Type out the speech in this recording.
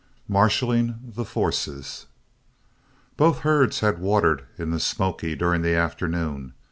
MARSHALING THE FORCES Both herds had watered in the Smoky during the afternoon.